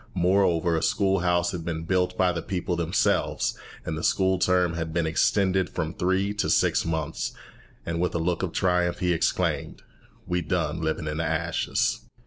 Moreover, a school house had been built by the people themselves, and the school term had been extended from three to six months; and, with a look of triumph, he exclaimed, "We's done libin' in de ashes."